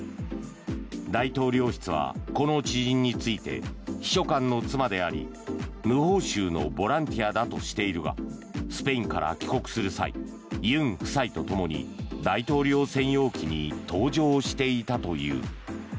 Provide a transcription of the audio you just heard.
大統領室はこの知人について秘書官の妻であり無報酬のボランティアだとしているがスペインから帰国する際尹夫妻とともに大統領専用機に搭乗していたという。